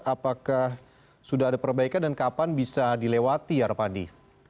apakah sudah ada perbaikan dan kapan bisa dilewati ya arpandi